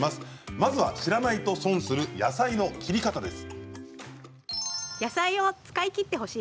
まずは知らないと損をする野菜の切り方です。